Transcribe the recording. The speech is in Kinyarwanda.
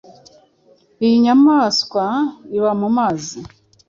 iyi nyamaswa iba mu mazi